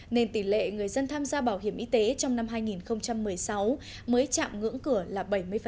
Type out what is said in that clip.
nên tỷ lệ người dân tham gia bảo hiểm y tế trong năm hai nghìn một mươi sáu mới chạm ngưỡng cửa là bảy mươi